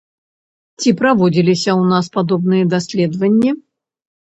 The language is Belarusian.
Ці праводзіліся ў нас падобныя даследаванні?